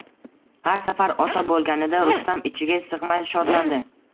Har safar ota bo`lganida Rustam ichiga sig`may shodlandi